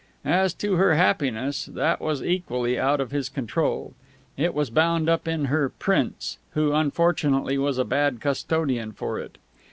As to her happiness, that was equally out of his control. It was bound up in her Prince, who, unfortunately, was a bad custodian for it.